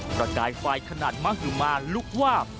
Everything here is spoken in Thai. ประกายไฟขนาดมหุมานลุกวาบ